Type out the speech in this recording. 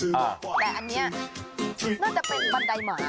แต่อันนี้น่าจะเป็นบันไดหมา